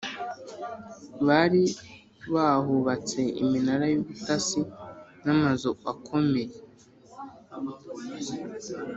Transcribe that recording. bari bahubatse iminara y’ubutasi n’amazu akomeye,